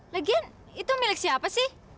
legian itu milik siapa sih